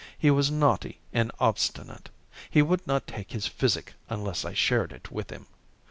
He was naughty and obstinate. He would not take his physic unless I shared it with him.